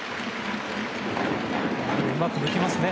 うまく抜きますね。